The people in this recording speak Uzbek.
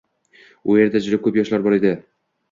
U yerda juda koʻp yoshlar bor edi.